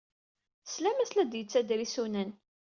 Teslam-as la d-yettader isunan.